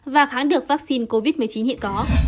và khám được vaccine covid một mươi chín hiện có